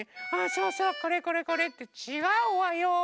これこれこれ。ってちがうわよ！